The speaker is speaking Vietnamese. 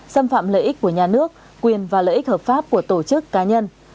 xâm phạm lợi ích của nhà nước quyền và lợi ích hợp pháp của tổ chức cá nhân